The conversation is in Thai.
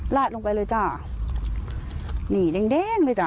ลาดลงไปเลยจ้านี่แดงแดงเลยจ้